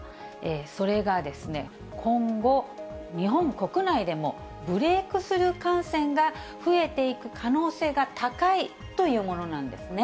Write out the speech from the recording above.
それが今後日本国内でもブレークスルー感染が増えていく可能性が高いというものなんですね。